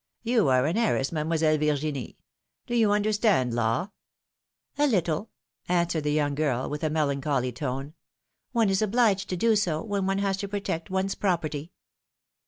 You are an heiress. Mademoiselle Virginie ! Do you understand law ?" '^A little," answered the young girl, with a melancholy tone. One is obliged to do so, when one has to protect one's property